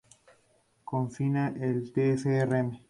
Confina el Tf.rm.